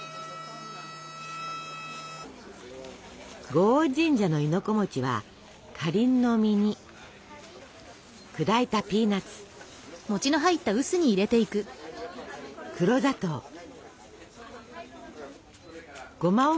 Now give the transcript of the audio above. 護王神社の亥の子はカリンの実に砕いたピーナツ黒砂糖ごまを混ぜて作ります。